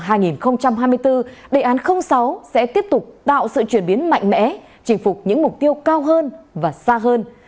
trong năm hai nghìn hai mươi bốn đề án sáu sẽ tiếp tục tạo sự chuyển biến mạnh mẽ trình phục những mục tiêu cao hơn và xa hơn